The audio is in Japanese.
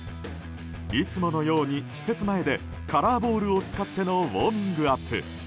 いつものように施設前でカラーボールを使ってのウォーミングアップ。